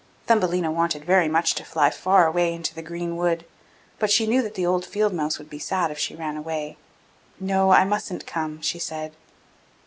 Thumbelina wanted very much to fly far away into the green wood, but she knew that the old field mouse would be sad if she ran away. 'No, I mustn't come!' she said.